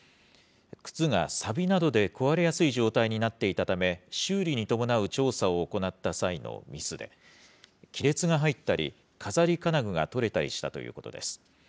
くつがさびなどで壊れやすい状態になっていたため、修理に伴う調査を行った際のミスで、亀裂が入ったり、飾り金具が取れたりしたということです。